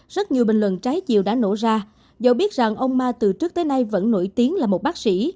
rất nhiều bình luận trái chiều đã nổ ra dẫu biết rằng ông ma từ trước tới nay vẫn nổi tiếng là một bác sĩ